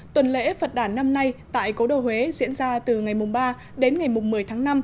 tuần lễ phật đàn năm nay tại cố đồ huế diễn ra từ ngày mùng ba đến ngày mùng một mươi tháng năm